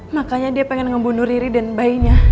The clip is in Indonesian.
makanya dia pengen membunuh ri dan bayinya